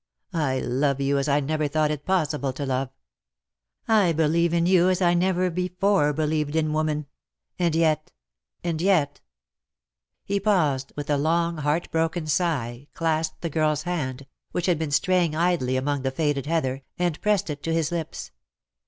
I love you as I never thought it possible to love ! I believe in you as I never be fore believed in woman — and yet — and yet ^' He paused, with a long heartbroken sigh, clasped the girFs hand, which had been straying idly among the faded heather, and pressed it to his lips.